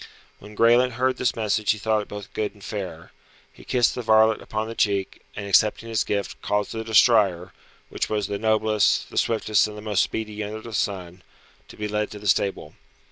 When Graelent heard this message he thought it both good and fair. He kissed the varlet upon the cheek, and accepting his gift, caused the destrier which was the noblest, the swiftest and the most speedy under the sun to be led to the stable.